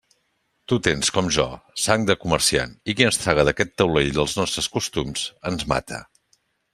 Tu tens, com jo, sang de comerciant, i qui ens traga d'aquest taulell i dels nostres costums, ens mata.